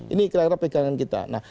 ini adalah pegangan kita